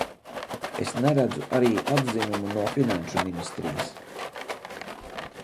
Es neredzu arī atzinumu no Finanšu ministrijas.